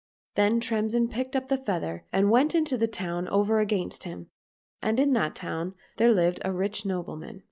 Then Tremsin picked up the feather and went into the town over against him, and in that town there lived a rich nobleman.